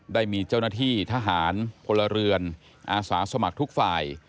ได้มีเจ้าหน้าที่ทหารพลเรือนอาสาสมัครทุกฝ่าย